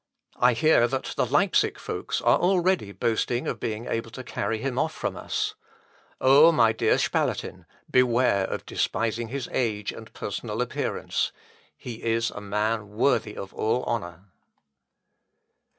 I hear that the Leipsic folks are already boasting of being able to carry him off from us. Oh, my dear Spalatin, beware of despising his age and personal appearance. He is a man worthy of all honour.